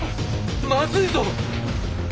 まずいぞ！